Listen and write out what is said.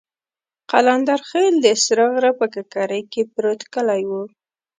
قلندرخېل د سره غره په ککرۍ کې پروت کلی وو.